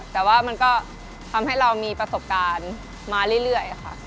แต่ว่ามันก็ทำให้เรามีประสบการณ์มาเรื่อยค่ะ